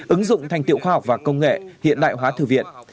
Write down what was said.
ứng dụng thành tiệu khoa học và công nghệ hiện đại hóa thư viện